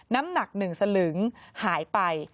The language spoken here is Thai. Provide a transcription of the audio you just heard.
น้ำหนักหนึ่งสลึงหายไป